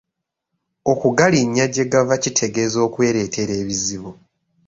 Okugalinnya gye gava kitegeeza kwereetera bizibu.